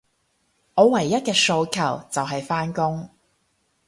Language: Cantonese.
我唯一嘅訴求，就係返工